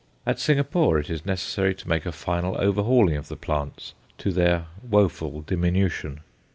At Singapore it is necessary to make a final overhauling of the plants to their woeful diminution.